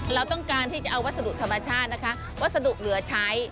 เราต้องการที่จะเอาวัสดุธรรมชาตินะคะวัสดุเหลือใช้